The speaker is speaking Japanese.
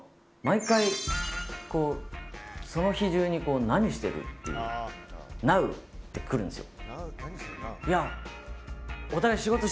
毎回、その日中に「何してる？なう」ってくるんですよ。